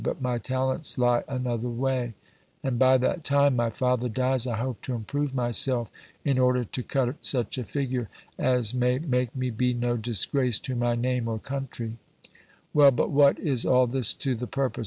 _ but my tallents lie another way; and by that time my father dies, I hope to improve myselfe, in order to cutt such a figure, as may make me be no disgrase to my name or countrey. "Well, but whatt is all this to the purpose?